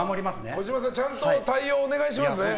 児嶋さんちゃんと対応お願いします。